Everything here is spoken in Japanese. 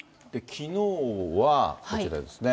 きのうはこちらですね。